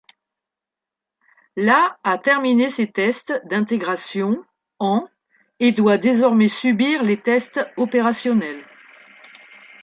La a terminé ses tests d'intégration en et doit désormais subir les tests opérationnels.